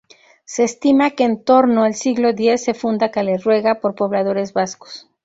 Se estima que en torno al siglo X se funda Caleruega, por pobladores vascos.